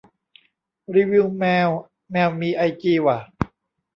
รีวิวแมว แมวมีไอจีว่ะ